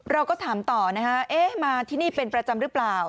เราก็ถามต่อนะคะเอ๊ะมาที่นี่เป็นประจำหรือเปล่า